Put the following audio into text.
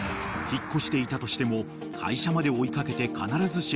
［引っ越していたとしても会社まで追い掛けて］